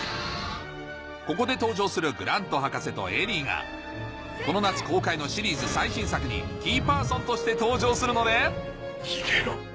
ここで登場するグラント博士とエリーがこの夏公開のシリーズ最新作にキーパーソンとして登場するので逃げろ。